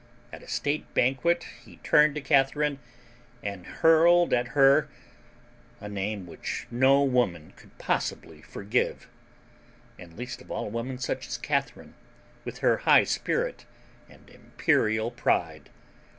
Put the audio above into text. At a state banquet he turned to Catharine and hurled at her a name which no woman could possibly forgive and least of all a woman such as Catharine, with her high spirit and imperial pride.